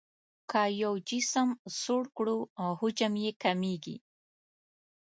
که یو جسم سوړ کړو حجم یې کمیږي.